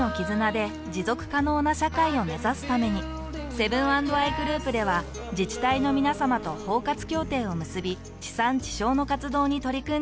セブン＆アイグループでは自治体のみなさまと包括協定を結び地産地消の活動に取り組んでいます。